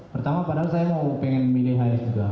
pertama padahal saya mau pengen milih hs juga